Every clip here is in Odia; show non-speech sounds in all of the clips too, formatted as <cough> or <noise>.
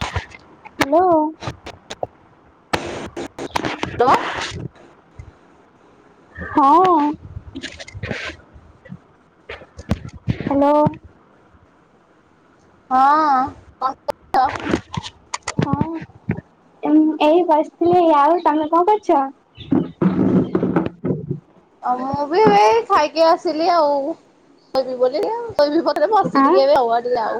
<inaudible> ହ୍ୟାଲୋ। <inaudible> ହ୍ୟାଲୋ। <inaudible> ହଁ <inaudible> ହ୍ୟାଲୋ। ହଁ। କଣ କରୁଚ? <inaudible> ହଁ ଏଇ ଏଇ ବସିଥିଲି ଆଉ ତମେ କଣ କରୁଚ? ଅ ମୁଁ ବି ଏଇ ଖାଇକି ଆସିଲି ଆଉ ତଇବି <inaudible> ବୋଲି ତବି ରେ ବସି ଟିକେ ବି ହଉ ଟିକେ ଆଉ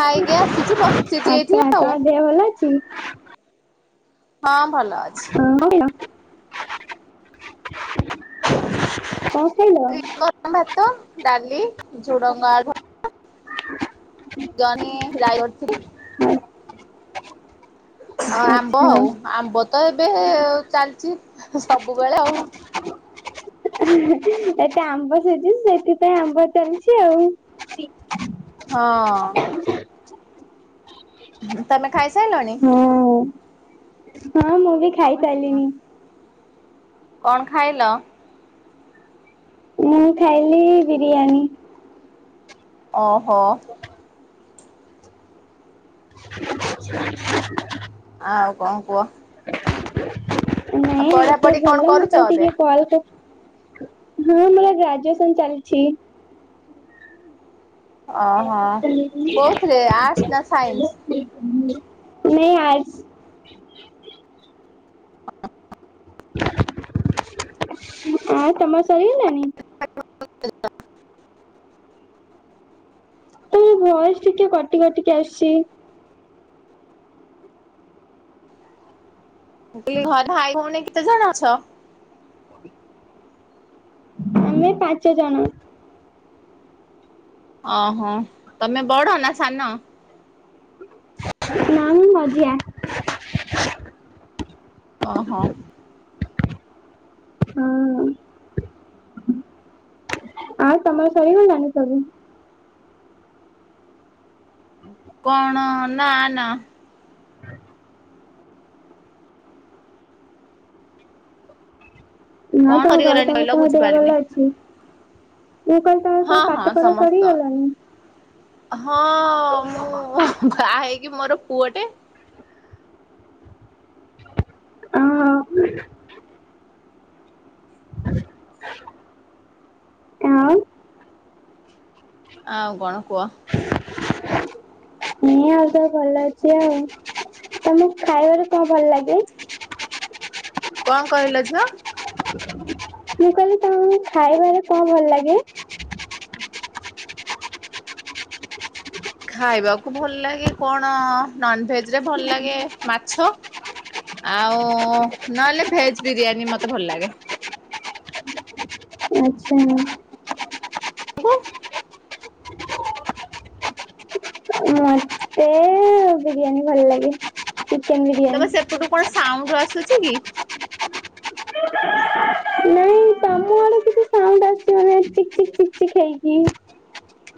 ଖାଇକି ଆସିଛି ବସିଛି ଏଇଠି ଆଛା ଆଉ ତମ ଦେହ ଭଲ ଅଛି? ହଁ ଭଲ। ଅଛି। <unintelligible> ଖାଇଲ? <unintelligible> ଭାତ। ଡାଲି ଝୁଡ଼ଙ୍ଗା ଆଳୁ ଭଜା ଜନି ରାଇ କରି ହଁ ଆମ୍ବ ଆଚ୍ଛା ଆଉ ଆମ୍ବ ତ ଏବେ ଚାଲିଚି ସବୁବେଳେ ଆଉ ଏତେ ଆମ୍ବ ସେଝୁ ସେଥିପାଇଁ ଆମ୍ବ ଚାଲିଚି ଆଉ ହଁ। <unintelligible> ତମେ ଖାଇସାରିଲଣି? ହୁଁ। ହଁ ମୁଁ ବି। ଖାଇ ସାଇଲିଣିି। କଣ ଖାଇଲ। ମୁଁ ଖାଇଲି ବିରିୟାନୀ। ଓହୋ। <unintelligible> ହଁଉ କଣ କୁହ। ନାଇଁ ଆଉ ତ ପଢାପଢି କଣ ଭଲ ମୁଁ କରୁଛ କ ଏବେ? ଟିକେ କଲ୍ କରି। ହଁ ମୋର ଗ୍ରାଜୁଏସନ ଚାଲିଛି। ଓହୋ କୋଉଥିରେ ଆର୍ଟସ ନା ସାଇନ୍ସ। ନାଇ ଆର୍ଟ୍ସ। ହଁ ତମର ସରିଗଲାଣି। <unintelligible> ତ ବୟସ ଟିକେ କଟି କଟିକି ଆସିଛି। ଘ ଭାଇ ଭନେ କେତେଜଣ ଅଛ। ଆମେ ପାଞ୍ଚ ଜଣ। ଓହୋ ତମେ ବଡ ନା ସାନ। ନା ମୁଁ ମଝିଆ ଓହୋ ହଁ ଆଉ ତମର ଶରିଗଲାଣି ସବୁ କଣ ନା ନା ନା କଣ ତମ ଘରେ ସରିଗଲାଣି କହିଲ ସମସ୍ତଙ୍କ ଦେହ ବୁଝିପାରିନି। ଭଲ ଅଛି ମୁଁ କହିଲି ତମର ହଁ ସବୁ ପାଠ ହଁ ପଢା ସମସ୍ତ ସରିଗଲାଣି? ହଁ ମୁଁ ବାହା ହେଇକି ମୋର ପୁଅଟେ ହଁ <inaudible> ଆଉ କଣ କୁହ ମୁଁ ଆଉ ତ ଭଲ ଅଛି ଆଉ ତମକୁ ଖାଇବାରେ କଣ ଭଲ ଲାଗେ କଣ କହିଲ ଝୁଅ ମୁଁ କହିଲି ତମକୁ ଖାଇବାରେ କଣ ଭଲ ଲାଗେ ଖାଇବାକୁ ଭଲ ଲାଗେ କଣ ନନ୍ଭେଜ ରେ ଭଲ ଲାଗେ ମାଛ ଆଉ ନହେଲେ ଭେଜ ବିରିୟାନୀ ମତେ ଭଲ ଲାଗେ ଆଚ୍ଛା ମତେ ବିରିୟାନୀ ଭଲ ଲାଗେ। ଚିକେନ ତମେ ବିରିୟାନୀ ସେପଟୁ କଣ ସାଉଣ୍ଡ ଆସୁଛି କି ନାଇଁ ତମ ଆଡେ କିଛି ସାଉଣ୍ଡ ଆସିବ ନାଇଁ ଚିକ୍ ଚିକ୍ ଚିକ୍ ଚିକ୍ ହେଇକି।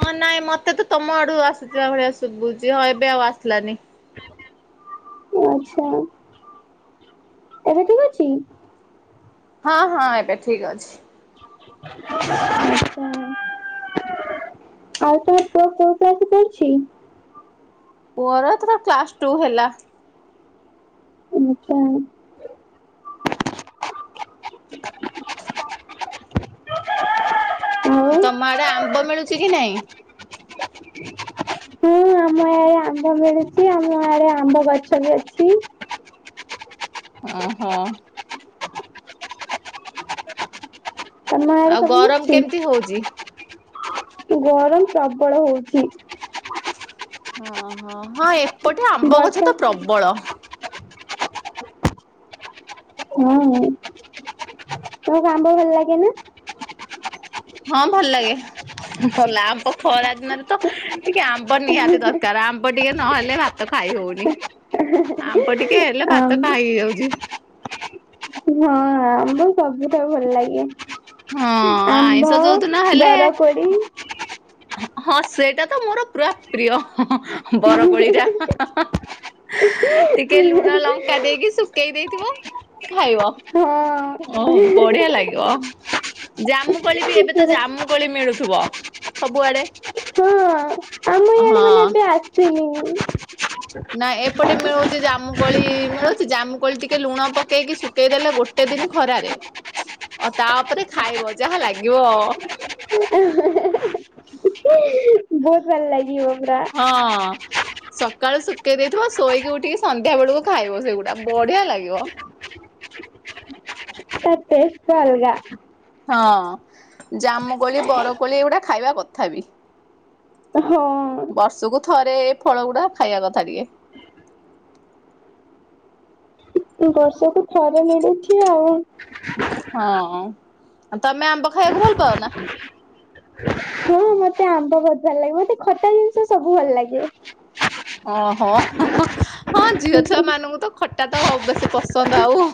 ହଁ ନାଇଁ ମତେ ତ ତମ ଆଡୁ ଆସୁଥିଲା ଭଳିଆ ସୁଭୁଛି ହଁ ଏବେ ଆଉ ଆସିଲାନି ଆଚ୍ଛା ଠିକ ଅଛି ହଁ ହଁ ଏବେ ଠିକ ଅଛି ଆଚ୍ଛା। ଆଉ ତମ ପୁଅ <inaudible> ମୋର ଏ ଥର କ୍ଲାସ ଟୁ ହେଲା ଆଚ୍ଛା ଆଉ ତମ ଆଡେ ଆମ୍ବ ମିଳୁଛି କି ନାଇଁ ହଁ ଆମ ଇଆଡେ ଆମ୍ବ ମିଳୁଛି ଆମ ଆଡେ ଆମ୍ବ ଗଛ ବି ଅଛି ଓହୋ ନୟାଗଡେ ଆଉ ସବୁ ଗରମ କେମିତି ହଉଛି? ମିଳୁଚି। ଗରମ ପ୍ରବଳ ହଉଚି। ହଁ ହଁ ହଁ ଏ ପଟେ ଆମ୍ବ ଗଛ ବର୍ଷା ତ ପ୍ରବଳ। ହଁ ତମକୁ ଆମ୍ବ ଭଲ ଲାଗେ ନା। ହଁ ଭଲ ଲାଗେ ଭଲ ଆମ୍ବ ଖରା ଦିନରେ ତ ଟିକେ ଆମ୍ବ ନିହାତି ଦରକାର ଆମ୍ବ ଟିକେ ନହେଲେ ଭାତ ଖାଇ ହଉନି ଆମ୍ବ ଟିକେ ହେଲେ ଭାତ ଆମ୍ବ ଖାଇ ହେଇଯାଉଚି। ହଁ ଆମ୍ୱ ସବୁଠାରୁ ଭଲ ହଁ ଲାଗେ। ଆମ୍ବ ଆଇଁଷ ଯୋଉଦିନ ହେଲେ ବରକୋଳି। ହଁ ସେଟା ତ ମୋର ପୁରା ପ୍ରିୟ ହଁ ହଁ ବରକୋଳି ଟା ହାଁ ହାଁ ହଁ। ହାଁ ଟିକେ ଲୁଣ ଲଙ୍କା ଦେଇକି ଶୁକେଇ ଦେଇଥିବ ଖାଇବ ଓ ବଢିଆ ହଁ ଲାଗିବ ଓଃ। ଜାମୁ କୋଳି ବି ଏବେ ତ ଜାମୁ କୋଳି ମିଳୁ ଥୁବ ସବୁଆଡେ ଆମ ଇଆଡେ ହଁ। ମାନେ ଏବେ ଆସିନି। ନା ଏପଟେ ମିଳୁଚି ଜାମୁକୋଳି ମିଳୁଚି ଜାମୁକୋଳି ଟିକେ ଲୁଣ ପକେଇକି ଶୁକେଇଦେଲେ ଗୋଟେ ଦିନ ଖରାରେ ଅ ତାପରେ ଖାଇବ ଯାହା ଲାଗିବ। ବହୁତ ଭଲ ଲାଗିିବ। ହଁ। ସକାଳୁ ଶୁକେଇ ଦେଇଥିବ ଶୋଇକି ଉଠିକି ସନ୍ଧ୍ୟା ବେଳକୁ ଖାଇବ ସେଗୁଡା ବଢିଆ ଲାଗିବ। ତେସଟା ଅଲଗା। ହଁ ଜାମୁକୋଳି ବରକୋଳି ଏଗୁଟା ଖାଇବା କଥା ବି। ହଁ। ବର୍ଷକୁ ଥରେ। ଫଳ ଗୁଡା ଖାଇବା କଥା ଟିକେ। ବର୍ଷକୁ ଘରେ ମିଳୁଛି ଆଉ। ହଁ। ତମେ ଆମ୍ବ ଖାଇବାକୁ ଭଲ ପାଅନା। ହଁ ମତେ ଆମ୍ବ ବହୁତ ଭଲ ଲାଗେ। ମତେ ଖଟା ଜିନିଷ ସବୁ ଭଲ ଲାଗେ। ଓହୋ ହଁ ଝିଅ ଛୁଆ ମାନଙ୍କୁ ତ ଖ ଟା ତ ବେଶୀ ପସନ୍ଦ ଆଉ।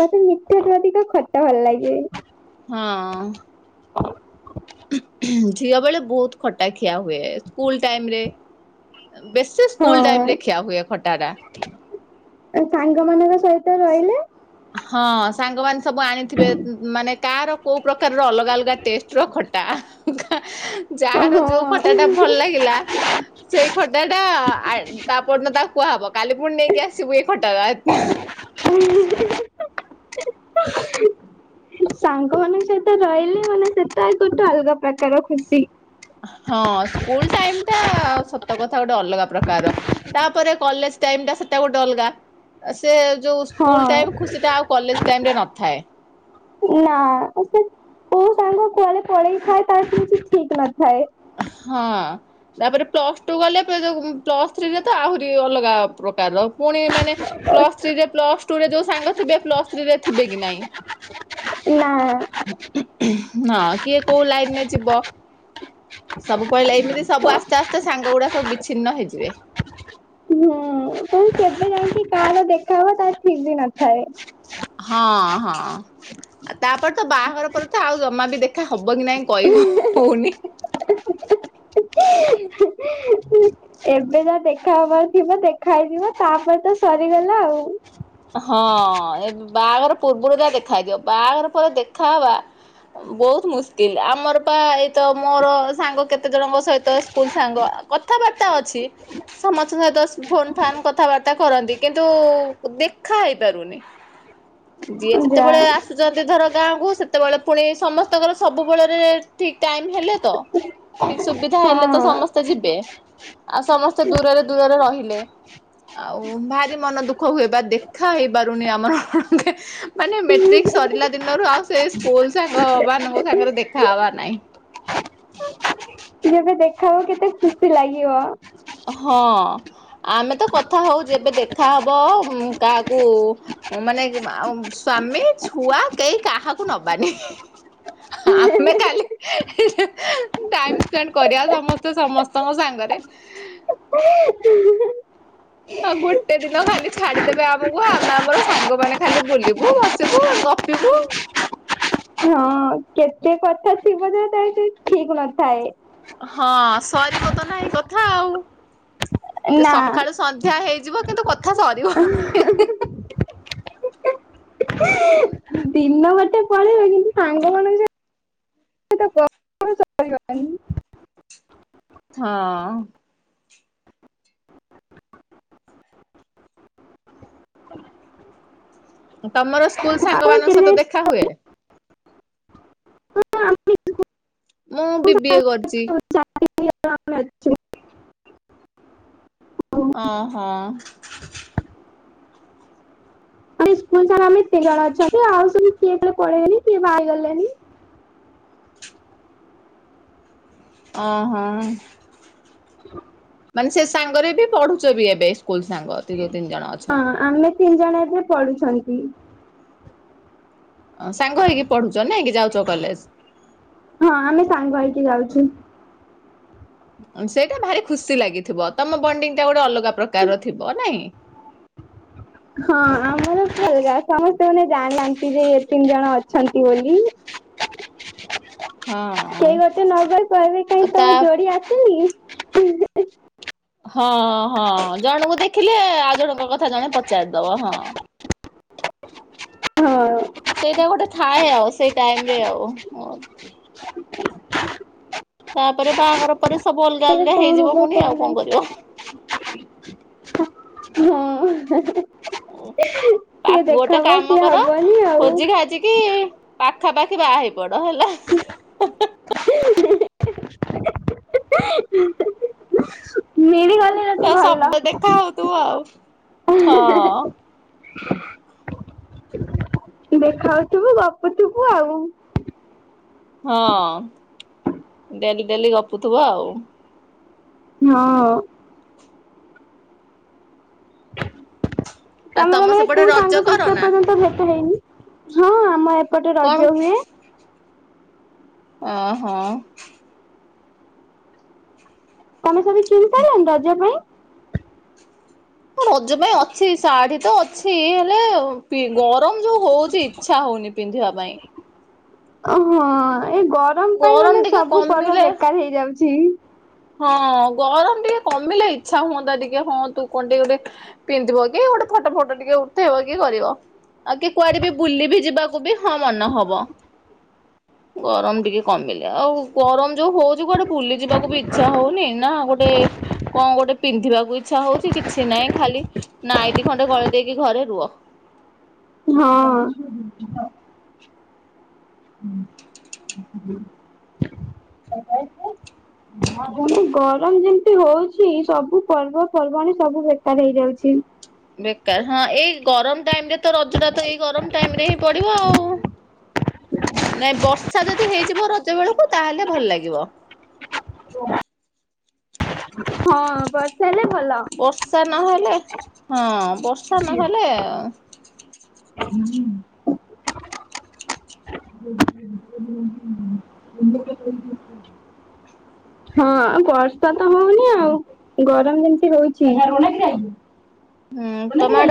ମତେ ମିଠା ଠୁ ଅଧିକ ଖଟା ଭଲ ଲାଗେ। ହଁ। <inaudible> ଝିଅ ବେଳେ ବହୁତ ଖଟା ଖିଆ ହୁଏ। ସ୍କୁଲ୍ ଟାଇମ୍ ରେ। ବେଶୀ ସ୍କୁଲ୍ ଟାଇମ୍ ହଁ। ଖିଆ ହୁଏ। ଖଟାଟା। ସାଙ୍ଗମାନଙ୍କ ହଁ। ସାଙ୍ଗମାନେ ସବୁ ଆଣିଥିବେ। ମାନେ କାହାର କୋଉ ପ୍ରକାରର ଅଲଗା ଅଲଗା ଟେଷ୍ଟର ଖଟା। ଯାହାର ଯୋଉ ଖଟା ଟା ଭଲ ଲାଗିଲା। ସେଇ ଖଟା ଟା ଆ ତାପରଦିନ ତାକୁ କୁହାହବ। କାଲି ପୁଣି ନେଇକି ଆସିବୁ। ପଟ ଆତ ନା <unintelligible> ସାଙ୍ଗମାନଙ୍କ ସହିତ ରହିଲେ ମାନେ ସେଟା ଗୋଟେ ଅଲଗା ପ୍ରକାର ଖୁସି। ହଁ ସ୍କୁଲ ଟାଇମ୍ ଟା ସତ କଥା ଗୋଟେ ଅଲଗା ପ୍ରକାର। ତାପରେ କଲେଜ ଟାଇମ୍ ଟା ସେଟା ଗୋଟେ ଅଲଗା ସେ ଯୋଉ ହଁ ସ୍କୁଲ ଟାଇମ ଖୁସି ଟା ଆଉ କଲେଜ ଟାଇମରେ ନଥାଏ ନା କୋଉ ସାଙ୍ଗ ଆଲେ ପଳେଇ ଥାଏ ତାର କିଛି ଠିକ୍ ନଥାଏ। ହଁ ତାପରେ ପ୍ଲସ ଟୁ ଗଲେ ପ୍ଲସ୍ ଥ୍ରୀରେ ତ ଆହୁରି ଅଲଗା ପ୍ରକାର। ପୁଣି ମାନେ ପ୍ଲସ୍ ଥ୍ରୀରେ ପ୍ଲସ୍ ଟୁ ରେ ଯୋଉ ସାଙ୍ଗ ଥିବେ ପ୍ଲସ୍ ଥ୍ରୀ ରେ ଥିବେ କି ନାଇଁ। ନା ହଁ କିଏ କୋଉ ଲାଇନ୍ ରେ ଯିବ ସବୁ ପଳେଇଲେ ଏମିତି ସବୁ ଆସ୍ତେ ଆସ୍ତେ ସାଙ୍ଗ ଗୁଡା ସବୁ ବିଚ୍ଛିନ୍ନ ହେଇଯିବେ। ହୁଁ ପୁଣି କେବେ ଯାଇକି କାହାର ଦେଖାହବ ତା ଠିକ୍ ବି ନଥାଏ। ହଁ ହଁ ତାପରେ ତ ବାହାଘର ପରେ ତ ଆଉ ଜମା ବି ଦେଖ ହବ ହବ କି ନାଇଁ କହିବ ହଉନି? <unintelligible> ଏବେ ଯା ଦେଖାହବାର ଥିବ ଦେଖା ହେଇଯିବ ତାପରେ ତ ସରିଗଲା ଆଉ ହଁ ଏବ ବାହାଘର ପୂର୍ବରୁ ଯା ଦେଖା ହେଦିବ ବାହାଘର ପରେ ଦେଖାହବା ବହୁତ ମୁସ୍କିଲ ଆମର ପା ଏଇତ ମୋର ସାଙ୍ଗ କେତେ ଜଣଙ୍କ ସହିତ ସ୍କୁଲ ସାଙ୍ଗ କଥାବାର୍ତ୍ତା ତ ଅଛି ସମସ୍ତଙ୍କ ସହିତ ଫୋନ୍ ଫାନ୍ କଥାବାର୍ତ୍ତା କରନ୍ତି କିନ୍ତୁ ଉ ଖାଇ ପାରୁନି? ଯିଏ ଯା ଯେତେବେଳେ ଆସୁଛନ୍ତି ଧର ଗାଁକୁ ସେତେବେଳେ ପୁଣି ସମସ୍ତଙ୍କର ସବୁବେଳରେ ଠିକ୍ ଟାଇମ ହେଲେ ତ ଠିକ୍ ସୁବିଧା ହେଲେ ତ ହଁ ସମସ୍ତେ ଯିବେ ଆଉ ସମସ୍ତେ ଦୂରରେ ଦୂରରେ ରହିଲେ ଆଉ ଭାରି ମନ ଦୁଃଖ ହୁଏ ବା ଦେ ଖାଇ ପାରୁନି ଆମର ମାନେ ମେଟ୍ରିକ ସରିଲା ଦିନରୁ ଆଉ ସେ ସ୍କୁଲ ସାଙ୍ଗ ମାନଙ୍କ ସାଙ୍ଗରେ ଦେଖା ହବା ନାହିଁ। ଯେବେ ଦେଖା ହବ କେତେ ଖୁସି ଲାଗିବ। ହଁ ଆମେ ତ କଥା ହଉଛେ ଏବେ ଦେଖା ହବ କାହାକୁ ମାନେ ସ୍ଵାମୀ ଛୁଆ କେହି କାହାକୁ ନବାନି ଆମେ ଖାଲି ଟାଇ ସ୍ପେଣ୍ଡ କରିବା ସମସ୍ତେ ସମସ୍ତଙ୍କ ସାଙ୍ଗରେ ହଁ ଗୋଟେ ଦିନ ଖାଲି ଛାଡିଦେବେ ଆମକୁ ଆମେ ଆମର ସାଙ୍ଗମାନେ ଖାଲି ବୁଲିବୁ ବସିବୁ ଗପିବୁ ଏତେ କଥା ଥିବ ଯେ ତା ଠିକ୍ ନଥାଏ। ହଁ ସରିବ ତ ନାହିଁ କଥା ଆଉ ନା। ସକାଳୁ ସନ୍ଧ୍ୟା ହେଇଯିବ କିନ୍ତୁ କଥା ସରିବନି? ଦି ଦିନ ଗୋଟେ ପଳେଇବେ କିନ୍ତୁ ସାଙ୍ଗମାନଙ୍କୁ ଛାଡି କେବେତ ଗପ ସରିବନି। ହଁ। କ <inaudible> ତମର ସ୍କୁଲ ସାଙ୍ଗ ମାନଙ୍କ ସହିତ ଦେଖା ହୁଏ? ହ ଆ <inaudible> ମୁଁ ବିିବିଏ କରିଛି। ଆ ଅଛୁ <unintelligible> ଅଁ ହଁ। <inaudible> ଆରେ ସ୍କୁଲ ସାରା ଆମେ ଏତେ ଜଣ ଅଛନ୍ତି ଆଉୁ ସବୁ କିଏ କୁଆଡେ ପେଳେଇଲେଣି କିଏ ବାହାହେଇଗଲେଣି। ଅଁ ହୋ। କି ସେ ସାଙ୍ଗରେ ବି ପଢୁଛ ବି ଏବେ। ସ୍କୁଲ ସାଙ୍ଗ ଯୋଉ ତିନି ଜଣ ଅଛ। ହଁ ଆମେ ତିନି ଜଣ ଏବେ ପଢୁଛନ୍ତି। ସାଙ୍ଗ ହେଇକି ପଢୁଛ ନାଇକି ଯାଉଛ କଲେଜ ହଁ ଆମେ ସାଙ୍ଗ ହେଇକି ଯାଉଛୁ। ସେଇଟା ଭାରି ଖୁସି ଲାଗିଥିବ। ତମ ବଣ୍ଡିଙ୍ଗ ଟା ଗୋଟେ ଅଲଗା ପ୍ରକାରର ଥିବ ନାହିଁ? ହଁ ଆମର ଅଲଗା ସମସ୍ତେ ମାନେ ଜାଣନ୍ତି ଯେ ଏ ତିନି ଜଣ ଅଛନ୍ତି ବୋଲି। କେହି ହଁ। ଗୋଟେ ନଗଲେ କହିବେ ଆଉ କାଇଁ ତା ତମ ଯୋଡି ଆସନି। ହୁଁ। ହଁ ହଁ ଜଣଙ୍କୁ ଦେଖିଲେ ଆଉ ଜଣଙ୍କ କଥା ଜଣେ ପଚାରିଦବ ହଁ। ହଁ ସେଇଟା ଗୋଟେ ଥାଏ ଆଉ ସେଇ ଟାଇମ ରେ ଆଉ ହ ତାପରେ ବାହାଘର ତା ପରେ ସବୁ ଅଲଗା ତାପରେ ଅଲଗା କଣ ହେଇଯିବ ହବ ପୁଣି ଆଉ ନାଇଁ କଣ କରିବ। ହଁ ହୁଁ ଆ କିଏ ଗୋଟେ ଦେଖାହବ କାମ କିଏ କର ହବନି ଆଉ। ଖୋଜି ଖାଜିକି ପାଖ ପାଖା ପାଖି ବାହା ହେଇପଡ। ହେଲା ହେଁ ହୁଁ ହୁଁ ହୁଁ ହୁଁ ହୁଁ ତାର ଭଲ ସବୁ ଦେଖା ହଉଥିବ ଆଉ ହଁ <unintelligible> ଦେଖାହଉଥିବୁ ଗପୁଥିବୁ ଆଉ। ହଁ ଡେଲି ଡେଲି ଗପୁଥିବ ଆଉ। ହଁ ଆଉ ତମର ତମ ମାନେ ସେପଟେ କୋଉ ରଜ ସାଙ୍ଗ କର ସହିତ ଏ ନା ପର୍ଯ୍ୟନ୍ତ ଭେଟ ହେଇନି? ହଁ ଆମ ଆ ଏପଟେ କଣ? ରଜ ହୁଏ। ଓହୋ ତମେ ସବୁ କିଣି ସାରିଲଣି ରଜ ପାଇଁ? ରଜ ପାଇଁ ଅଛି ଶାଢୀ ତ ଅଛି ହେଲେ ଆଉ ଗରମ ଯୋଉ ହଉଛି ଇଚ୍ଛା ହଉନି ପିନ୍ଧିବା ପାଇଁ। ଓହୋ ଏ ଗରମ ପାଇଁ ମାନେ ଟିକେ ସବୁ ପର୍ବ କମିଲେ ବେକାର ହେଇଯାଉଛି। ଜି ହଁ ଗରମ ଟିକେ କମିଲେ ଇଚ୍ଛା ହୁଅନ୍ତା ଟିକେ ହଁ ତୁ କଣ ଟିକେ ଗୋଟେ ପିନ୍ଧିବ କି ଗୋଟେ ଫଟୋ ଫଟ ଟିକେ ଉଠେଇବ କି କରିବ। ଆଉ କି କୁଆଡେ ବି ବୁଲିବି ଯିବାକୁ ବି ହଁ ମନହବ ଗରମ ଟିକେ କମିଲେ ଆଉ ଗରମ ଯୋଉ ହଉଛି କୁଆଟେ ବୁଲି ଯିବାକୁ ବି ଇଚ୍ଛା ହଉନି ନା ଗୋଟେ କଣ ଗୋଟେ ପିନ୍ଧିବାକୁ ଇଚ୍ଛା ହଉଛି କିଛି ନହିଁ ଖାଲି ନାଇଟ ଖଣ୍ଡେ ଗଳିଇ ଦେଇକି ଘରେ ରୁହ। ହଁ ଗରମ ଯେମିତି ହଉଛି ସବୁ ପର୍ବ ପର୍ବାଣୀ ସବୁ ବେକାର ହେଇଯାଉଛି। ବେକାର ହଁ ଏଇ ଗରମ ଟାଇମ ରେ ତ ରଜ ଟା ତ ଏଇ ଗରମ ଟାଇମରେ ହିଁ ପଡିବ ଆଉ ନାଇ ବର୍ଷା ଯଦି ହେଇଯିବ ରଜ ବେଳକୁ ତାହେଲେ ଭଲ ଲାଗିବ। ହଁ ବସ୍ ବର୍ଷା ନହେଲେ ହଁ। ବର୍ଷା ନହେଲେ <unintelligible> <unintelligible> ହଁ ବର୍ଷା ତ ହଉନି ଆଉ ଗରମ ଯେମିତି ହଉଛି। ହୁଁ ତମ‌ଆଡେ ବ